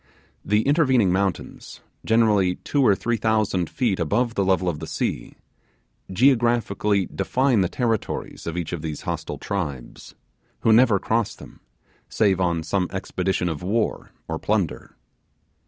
The intervening mountains generally two or three thousand feet above the level of the sea geographically define the territories of each of these hostile tribes, who never cross them, save on some expedition of war or plunder.